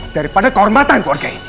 daripada kehormatan keluarga ini